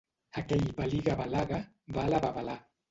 Aquell baliga-balaga va a la babalà.